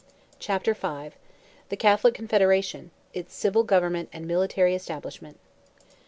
CHAPTER V. THE CATHOLIC CONFEDERATION—ITS CIVIL GOVERNMENT AND MILITARY ESTABLISHMENT.